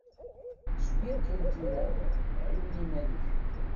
Zwir kan tura ɛiwen iman-ik.